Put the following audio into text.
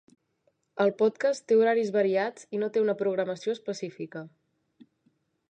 El podcast té horaris variats i no té una programació específica.